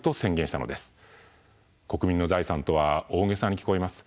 国民の財産とは大げさに聞こえます。